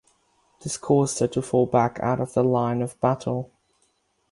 This caused her to fall back out of the line of battle.